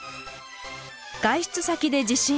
外出先で地震。